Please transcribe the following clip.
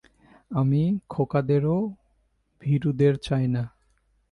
আমি খোকাদের ও ভীরুদের চাই না।